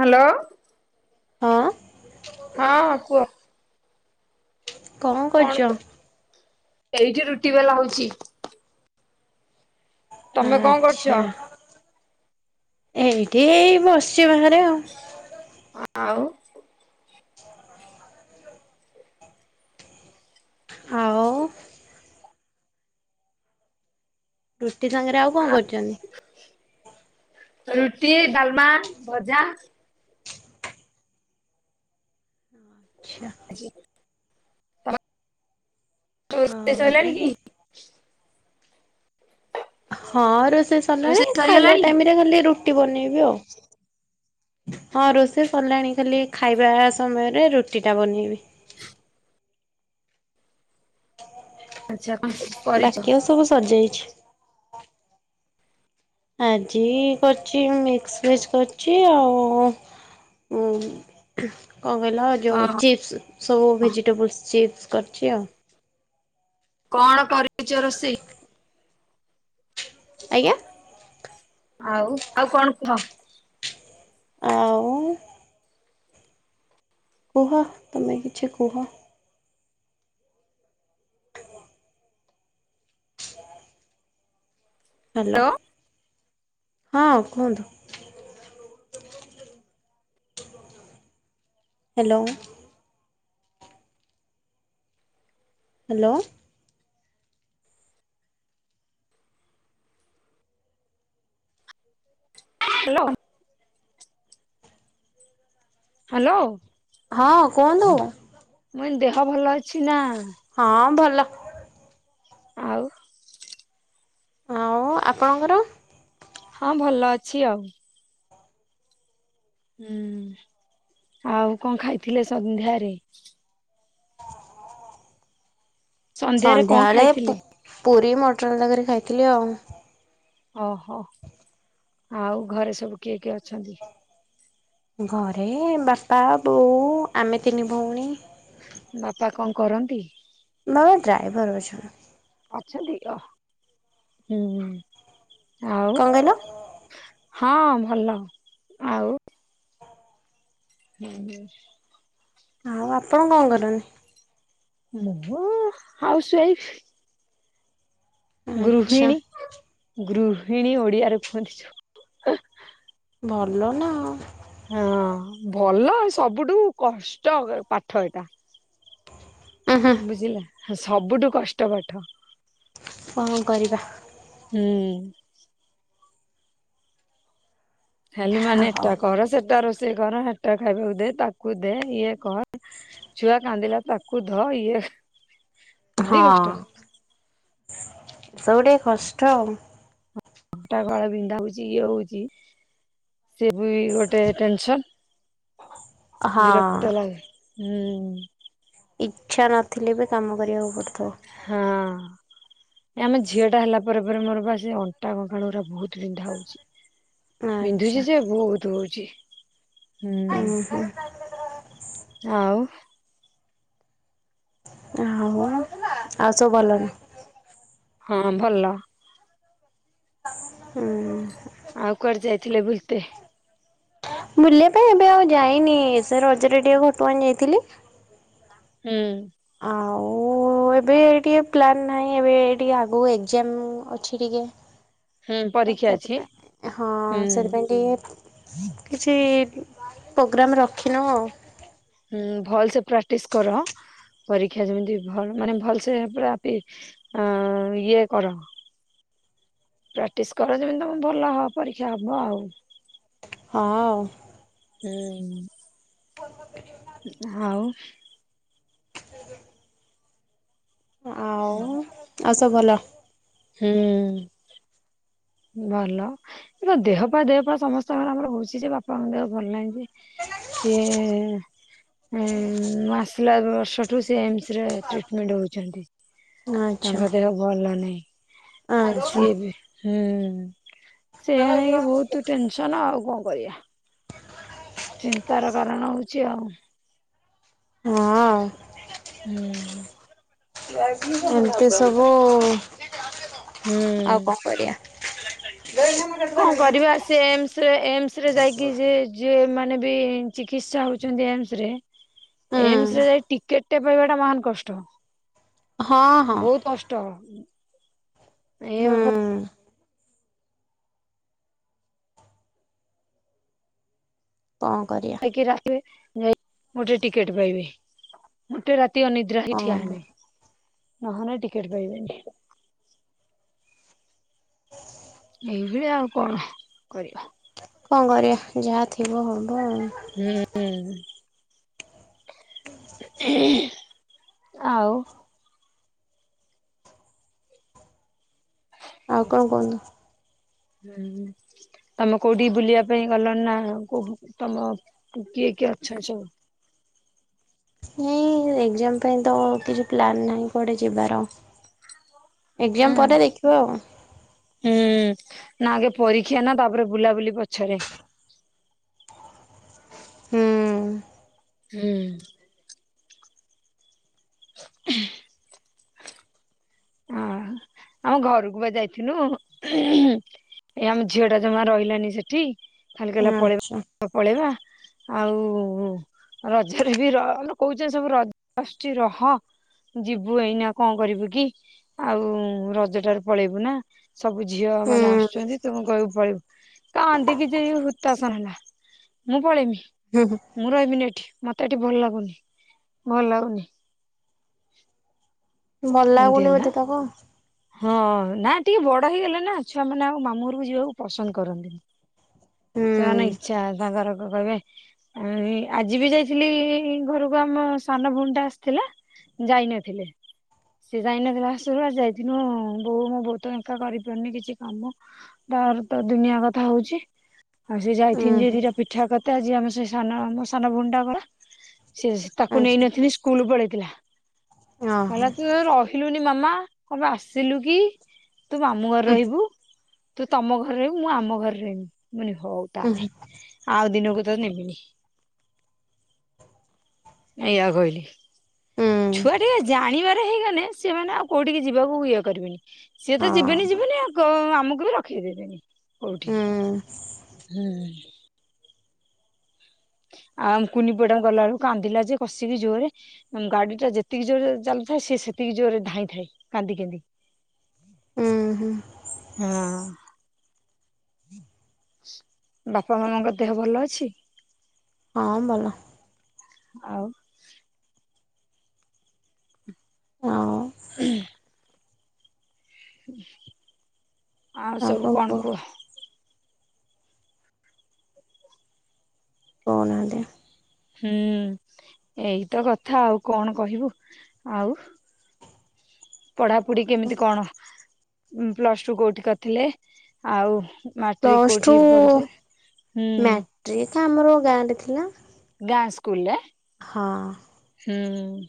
Hello. ହଁ। ହଁ କୁହ। କଣ କରୁଚ? ଏଇଠି ରୁଟି ବେଲା ହୋଉଛି। ତମେ କଣ କରୁଛ? ଆଚ୍ଛା ଏଇଠି ଏଇ ବସିଚି ବାହାରେ ଆଉ। ଆଉ? ଆଉ। ରୁଟି ସାଙ୍ଗରେ ଆଉ କଣ କରିଛନ୍ତି? ରୁଟି ଡାଲମା ଭଜା। ଆଚ୍ଛା ଆଜି। ଆଉ ରୋସେଇ ସରିଲାଣୀକି? ହଁ ରୋଷେଇ ସରିଲାଣି ଖାଇଲା ଟାଇରେ ଖାଲି ରୁଟି ବନେଇବି ଆଉ। ହଁ ରୋଷେଇ ସରିଲାଣି ଖାଲି ଖାଇବା ସମୟରେ ରୁଟି ଟା ବନେଇବି। ହ ଆଚ୍ଛା କଣ କରିଛ? ବାକି ଆଉ ସବୁ ସରିଯାଇଛି। ଆଜି କରଛି ମିକ୍ସ ଭେଜ କରିଛି। ଆଉ ଓ। କଣ କହିଲ ଅ ଯେଉଁ ଚିପ୍ସ ସବୁ ଭେଜିଟେବୁଲ୍ସ ଚିପ୍ସ କରିଛି ଆଉ। କଣ କରିଛ ରୋଷେଇ? ଆଜ୍ଞା ଆଉ ଆଉ କଣ କୁହ? ଆଉ। କୁହ ତମେ କିଛି କୁହ। ହ୍ୟାଲୋ ହଁ କୁହନ୍ତୁ। ହ୍ୟାଲୋ ହ୍ୟାଲୋ ହ୍ୟାଲୋ ହ୍ୟାଲୋ ହଁ କୁହନ୍ତୁ। ମୁ ଇ ଦେହ ଭଲ ଅଛି ନା ହଁ ଭଲ ଆଉ ଆଉ ଆପଣଙ୍କର? ହଁ ଭଲ ଅଛି ଆଉ। ହୁଁ ଆଉ କଣ ଖାଇଥିଲେ ସ ସନ୍ଧ୍ୟାରେ ସନ୍ଧ୍ୟାରେ କଣ ସନ୍ଧ୍ୟାବେଳେ ପୁ ଖାଇଥିଲେ? ପୁରୀ ମଟର ତରକାରି ଖାଇଥିଲି ଆଉ ଓହୋ ଆଉ ଘରେ ସବୁ କିଏ କିଏ ଅଛନ୍ତି? ଘରେ ବାପା ବୋଉ ଆମେ ତିନି ଭଉଣୀ ବାପା କଣ କରନ୍ତି? ବାବା ଡ୍ରାଇଭର ଅଛନ୍ତି। ଅଛନ୍ତି ଓ ହୁଁ ଆଉ କଣ କହିଲ ହଁ ଭଲ ଆଉ ହୁଁ ହୁଁ ଆଉ ଆପଣ କଣ କରନ୍ତି? ମୁଁ ହାଉସୱାଇଫ୍ ଆଚ୍ଛା ଗୃହିଣୀ ଗୃହିଣୀ ଓଡିଆରେ କୁହନ୍ତି ଯୋଉ ଭଲ ନା ହଁ ଭଲ ସବୁଠୁ କଷ୍ଟ ପାଠ ଏଇଟା ଉଁ ହୁଁ ବୁଝିଲା ସବୁଠୁ କଷ୍ଟ ପାଠ କଣ କରିବା। ହୁଁ ହେଲୁ ହଁ ମାନେ ଏଟା କର ସେଟା ରୋଷେଇ କର ଏଟା ଖାଇବାକୁ ଦେ ତାକୁ ଦେ ଇଏ କର ଛୁଆ କାନ୍ଦିଲା ତାକୁ ଧ ଇଏ ଭାରି କଷ୍ଟ ହଁ ସବୁ ଟିକେ କଷ୍ଟ ଆଉ ଫଟା କଳ ବିନ୍ଧା ହଉଛି ଇଏ ହଉଛି ସେ ବି ଗୋଟେ ଟେନସନ ବିରକ୍ତ ହଁ ଲାଗେ ହୁଁ ଇଚ୍ଛା ନଥିଲେ ବି କାମ କରିବାକୁ ପଡ଼ୁଥିବ। ହଁ ଆମ ଝିଅ ଟା ହେଲା ପରେ ପରେ ମୋର ବା ସେ ଅଟା କଙ୍କାଳ ଗୁରା ବହୁତ ବିନ୍ଧା ହଉଛି। ଆଚ୍ଛା ବିନ୍ଧୁଛି ଯେ ବହୁତ ହଉଛି ହୁଁ ଉଁ ହୁଁ ଆଉ ହଉ ଆଉ ଆଉ ସବୁ ଭଲନି ହଁ ଭଲ ହୁଁ ଆଉ କର ଯାଇ ଥିଲେ ବୁଲତେ ବୁଲିବା ପାଇଁ ଏବେ ଆଉ ଯାଇନି ସେ ରଜରେ ଟିକେ ଘଟୁଆଣି ଯାଇଥିଲି ହୁଁ ଆଉ ଓ ଏବେ ଟିକେ ପ୍ଲାନ୍ ନାହିଁ ଏବେ ଟିକେ ଆଗକୁ ଏକ୍ଜାମ ଅଛି ଟିକେ ହୁଁ ତ ପରୀକ୍ଷା ଅଛି ସେଥିପାଇଁ ହଁ ହୁଁ। ସେଥିପାଇଁ ଟିକେ କିଛି ପୋଗ୍ରାମ ରଖିନଉ ଆଉ। ହୁଁ ଭଲସେ ପ୍ରାଟିସ୍ କର ପରୀକ୍ଷା ଯେମିତି ଭ ମାନେ ଭଲ ସେ ପୁରା ପି ଅଁ ଇଏ କର। ପ୍ରାଟିସ କର ଯେମିତି ତମ ଭଲ ହ ପରୀକ୍ଷା ହବ ଆଉ। ହଁ। ହୁଁ। ଫୋନ୍ କରିଦେଇ ଯିଉନା? ଉଁ ନା ହାଉ? ସେଉ ତ ଆଉ ଆଉ ସବୁ ଭଲ? ହୁଁ। ଭଲ ଏ ତ ଦେହପା ଦେହପା ସମସ୍ତଙ୍କର ଆମର ଭୁସି ଯେ ବାପାଙ୍କ ଦେହ ଭଲ ନାହିଁ ଯେ ସିଏ ଏଁ ମାସ୍ ଇଲା ବର୍ଷଠୁ ସିଏ ଏମସ ରେ ଟ୍ରିଟମେଣ୍ଟ୍ ହୋଉଛନ୍ତି ଆଚ୍ଛା ତାଙ୍କ ଦେହ ଭଲ ନାହିଁ ଆ ଆଚ୍ଛା। ସିଏ ବି ହୁଁ ସେଇଆ ନେଇକି ବହୁତ ଟେନସନ୍ ଆଉ କଁ କରିବା? ଚିନ୍ତାର କାରଣ ହୋଉଚି ଆଉ। ହଁ ଆଉ ହୁଁ। ଏମତି ସବୁ ହୁଁ ଆଉ କଁ କରିଆ? ଦେଖେନେ କଁ କରିବା ସିଏ ଏମସ୍ ରେ ଏମସ୍ ରେ ଯାଇକି ଯେ ଯିଏ ମାନେ ବି ଚିକିତ୍ସା ହୋଉଛନ୍ତି ଏମସ୍ ରେ ହୁଁ ଏମସ୍ ରେ ଯାଇ ଟିକେ ୋଟେ ପାଇବାଟା ମହାନ୍ କଷ୍ଟ ହଁ ହଁ ବୋହୁତ କଷ୍ଟ। ଏଇଆ ହୁଁ ବାପା କଁ କରିଆ? କିରା ଆସିବେ ଯାଇ ଗୋଟେ ଟିକେଟ୍ ପାଇବେ ଗୋଟେ ରାତି ଅନି ଦ୍ରା ହେଇ ଠିଆ ହଁ। ହେନେ ନହେନେ ଟିକେଟ୍ ପାଇବେନେଇ। ଏଇ ଭଳିଆ ଆଉ କଣ କରିବା? କଁ କରିବା ଯାହା ଥିବ ହବ। ହୁଁ ଉଁ। ଆଉ? ଆଉ କଣ କୁହନ୍ତୁ। ହୁଁ ହୁଁ। ତମେ କୋଉଠିକି ବୁଲିବା ପାଇଁ ଗଲଣି ନାଁ କୋଉ ବୁ ତମ ପୁ କିଏ କିଏ ଅଛନ୍ତି ସବୁ? ଏଇ ଏଗ୍ଜାମ୍ ପାଇଁ ତ କିଛି ପ୍ଲନ୍ ନାହିଁ କୁଆଡ଼େ ଯିବାର। ହୁଁ ଏକ୍ଜାମ୍ ପରେ ଦେଖିବ ଆଉ। ହୁଁ ନାଁ ଆଗେ ପରୀକ୍ଷା ନାଁ ତାପରେ ବୁଲାବୁଲି ପଛରେ। ହୁଁ। ହୁଁ। ହ ଅଁ ଆମ ଘରୁକୁ ପା ଯାଇଥିନୁ। ଏ ଆମ ଝିଅଟା ଜମା ରହିଲାନି ସେଠି ଖାଲି କହିଲା ଆଚ୍ଛା ପଳେଇବା ପଳେଇବା। ଆଉ ରଜରେ ବି ର ଆଲୋ କୋଉଚନ୍ତି ସବୁ ର ଆସୁଚି ରହ। ଯିବୁ ଏଇନା କଁ କରିବୁ କି? ଆଉ ରଜଟାରୁ ପଳେଇବୁ ନା ସବୁ ଝିଅ ହୁଁ। ମାନେ ଆସୁଛନ୍ତି ତମକୁ କହିବୁ ପଳେଇବୁ। କାନ୍ଦିକି ଯାଇ ହୁତା ଆସନ ହେଲା ମୁଁ ପଳେଇମି। ହୁଁ ହୁଁ। ମୁଁ ରହିମିନି ଏଠି ମତେ ଏଠି ଭଲ ଲାଗୁନି ଭଲ ଲାଗୁନି। ଭଲ ଏମିତି ଲାଗୁନି ହେଲା ବୋଧେ ତାକୁ ଆଉ ହଁ ନା ଟିକେ ବଡ ହେଇଗଲା ନା ଛୁଆମାନେ ଆଉ ମାମୁଁ ଘରକୁ ଯିବାକୁ ପସନ୍ଦ କରନ୍ତିନି। ହୁଁ ସେମାନେ ଇଚ୍ଛା ତା ଘରକୁ କହିବେ ଏଇ ଆଜି ବି ଯାଇଥିଲି ଘରକୁ ଆମ ସାନ ଭଉଣୀ ଟା ଆସିଥିଲା। ଯାଇନଥିଲେ ସେ ଯାଇନଥିଲେ ଆସରୁ ଆ ଯାଇଥିଲେ। ଦିନ ବୋଉ ମଁ ବହୁତ ଏକା କରିପାରୁନି କିଛି କାମ। ତାର ତ ଦୁନିଆ କଥା ହଉଛି। ଆଉ ସେ ହୁଁ ଯାଇଥିନି ଯେ ହୁଁ ଦିଟା ପିଠା କରଥେ ଆଜି ଆମେ ସେ ସାନ ଆମ ସାନ ଭଉଣୀ ଟା ଗଲା। ତାକୁ ଆଚ୍ଛା। ନେଇନଥିଲି ସ୍କୁଲ ପଳେଇଥିଲା ଓହୋ କହିଲା ତୁ ରହିଲୁନି ମାମା। କଣ ପାଇଁ ଆସିଲୁ କି ତୁ ମାମୁଁ ଘରେ ହୁଁ ରହିବୁ। ତୁ ତମ ଘରରେ ରହିବୁ ମୁଁ ଆମ ଘରରେ ମୁଁ ଆମ ଘରେ ରହିବି ମୁଁ କହିଲି ହୋଉ ହୁଁ ତାହେଲେ। ଆଉ ଦିନକୁ ତତେ ନେବିନି ଏଇୟା କହିଲି। ହୁଁ ଛୁଆ ଟିକେ ଜାଣିବାର ହେଇଗଲେ ସେମାନେ ଆଉ କୋଉଠିକି ଯିବାକୁ ଇଏ କରିବେନି। ସିଏ ତ ହଁ ଯିବେନି ଯିବେନି ଆଉ ଆମକୁ ବି ରଖିଦେବେନି। କଉଠି ହୁଁ ହୁଁ। ଆମ୍ କୁନି ପୁଆ ଟା ଗଲା ବେଳକୁ କାନ୍ଦିଲା ଯେ କଷିକି ଜୋରେ ଗାଡି ଟା ଯେତିକି ଜୋରରେ ଚାଲୁଥାଏ ସେ ସେତିକି ଜୋର ରେ ଧାଇଁ ଥାଏ କାନ୍ଦି କାନ୍ଦି। ଉଁ ହୁଁ। ହଁ। [unintelligible] ବାପା ମାମାଙ୍କ ଦେହ ଭଲ ଅଛି? ହଁ ଭଲ। ଆଉ ହଁ। ହୁଁ। ଆଉ ସବୁ କଣ କୁହ? କହୁନାହାନ୍ତି? ହୁଁ ଏଇତ କଥା ଆଉ କଣ କହିବୁ ଆଉ ପଢାପଢି ଆଉ କେମିତି କଣ ପ୍ଲସ୍ ଟୁ କୋଉଠି କରିଥିଲେ ଆଉ ମାଟ୍ରିକ ପ୍ଲସ ଟୁ କୋଉଠି ପଢୁଥିଲେ ହୁଁ ମାଟ୍ରିକ୍ ଆମର ଗାଁରେ ଥିଲା। ଗାଁ ସ୍କସ୍କୁଲ ରେ ହଁ। ହୁଁ।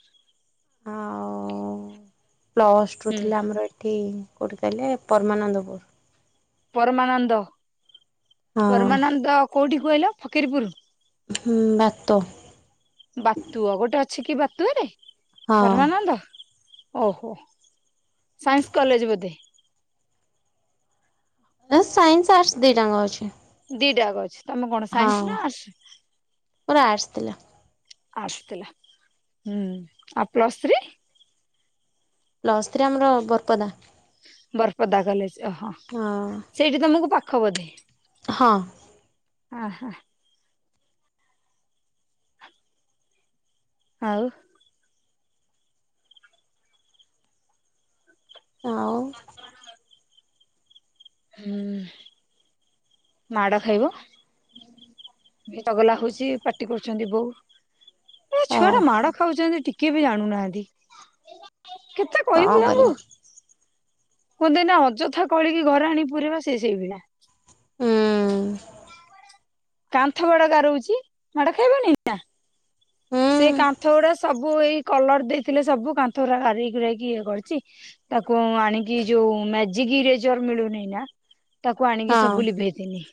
ଆଉ ପ୍ଲସ ରୁ ହୁଁ ଥିଲା ଆମର ଏ ଠିକ୍ କେଉଠି କହିଲେ ପରମାନନ୍ଦପୁର। ପରମାନନ୍ଦ ହଁ ପରମାନନ୍ଦ କୋଉଠି କୁହିଲ ଫକୀରପୁର। ହୁଁ ବାତ। ବାତୁଅ ଗୋଟେ ଅଛି କି ବାତୁଆରେ ହଁ ପରମାନନ୍ଦ? ଓହୋ ସାଇନ୍ସ କଲେଜ ବୋଧେ? ସାଇନ୍ସ ଆର୍ଟସ ଦି ଟାଙ୍କା ଅଛି। ଦିଟା ଙ୍କ ଅଛି ତମେ କଣ ହଁ ସାଇନ୍ସ ନା ଆସ? ମୋର ଆର୍ଟସ୍ ଥିଲା। ଆର୍ଟ୍ସ ଥିଲା ହୁଁ ଆଉ ପ୍ଲସ୍ ଥ୍ରୀ ପ୍ଲସ ଥ୍ରୀ ଆମର ବରପଦା ବରପଦା କଲେଜ ଓହୋ ସେଇଠି ତମକୁ ପାଖ ବଧେ ହଁ ଆ ହା ଆ ଉ ଆଉ ହୁଁ ମାଡ ଖାଇବ ଟଗଲା ହଉଛି ପାଟି କରୁଛନ୍ତି ବୋଉ ଏ ଅ ଛୁଆ ଟା ମାଡ ଖାଉଛନ୍ତି ଟିକେ ବି ଜାଣୁନାହାନ୍ତି। କେତେ କଣ କହିବି ଆଙ୍କୁ କରିବା କୁହନ୍ତିନା ଅଯଥା କଳିକି ଘରେ ଆଣି ପୁରେଇବା ସିଏ ସେଇ ଭଳିଆ ହୁଁ କାନ୍ଥ ବାଡ ଗାରଉଛି ମାଡ ଖାଇବନି ଏଇନା ହୁଁ ସେ କାନ୍ଥ ଗୁଡା ସବୁ ଏଇ କଲର ଦେଇଥିଲେ ସବୁ କାନ୍ଥ ଗୁଡା ଗାରେଇ ଗୁରେଇକି ଇଏ କରିଛି ତାକୁ ଆଣିକି ଯୋଉ ମେଜିକ ଇରେଜର ମିଳୁନି ନା ତାକୁ ଆଣିକି ହଁ ସବୁ ଲିଭେଇଥିନି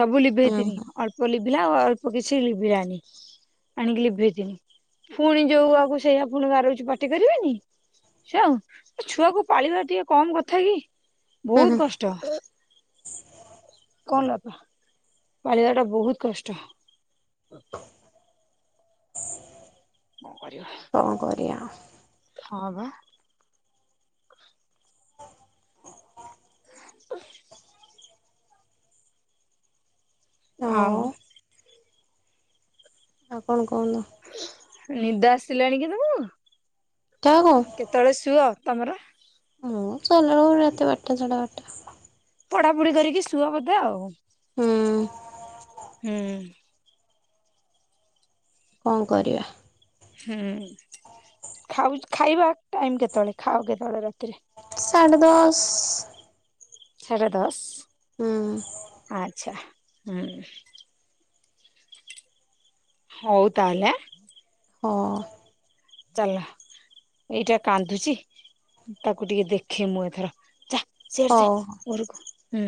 ସବୁ ହୁଁ ଲିଭେଇଥିନି ଅଳ୍ପ ଲି ଭିଲା ଆଉ ଅଳ୍ପ କିଛି ଲିଭିଲାନି ଆଣିକି ଲିଭେଇଥନି ପୁଣି ଯୋଉ ଆଗ ସେଇଆ ପୁଣି ଗାରଉଛି ପାଟି କରିବେନି। ଛୁଆ ଛୁଆକୁ ପାଳିବା ଟିକେ କମ କଥା କି ହୁଁ ହୁଁ ବହୁତ କଷ୍ଟ। କଣ ହେଲା ବାପା ପାଳିବା ଟା ବହୁତ କଷ୍ଟ କଣ କରିବା କଣ କୋରିଆ ହଁ ବା [inaudible] ଆଉ ଆଉ କଣ କୁହନ୍ତୁ। ନିଦ ଆସିଲାଣି କି ତମକୁ କାହାକୁ କେତେବେଳେ ଶୁଅ ତମର? ହଁ ଶୋଇଲା ବେଳକୁ ରାତି ବାରଟା ସାଡ଼େ ବାରଟା ବାଟା ପଢାପଢି କରିକି ସୁଅ ବୋଧେ ଆଉ। ହୁଁ। ହୁଁ କଣ କରିବା ହୁଁ ଖାଉ ଖାଇବା ଟାଇମ କେତେବେଳେ ଖାଅ କେତେବେଳେ ରାତିରେ। ସାଡ଼େ ଦଶ। ସାଢ଼େ ହୁଁ ଦଶ ଆଚ୍ଛା ହୁଁ ହଉ ତାହେଲେ ଆଁ। ହଁ ଚାଲ ଏଇଟା କାନ୍ଦୁଚି ତାକୁ ଟିକେ ଦେଖେ ମୁଁ ଏଥର ଚା ସିଆଡ଼େ ଚା ହଉ ଘରକୁ ହୁଁ